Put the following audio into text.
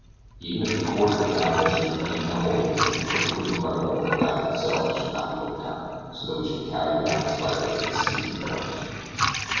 Even if the cords that bound us should retain their hold, it seemed perfectly incredible that the raft itself should not be overturned, so that we should be carried down and stifled in the seething waters.